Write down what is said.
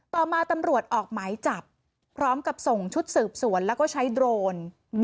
ต่อมาตำรวจออกหมายจับพร้อมกับส่งชุดสืบสวนแล้วก็ใช้โดรน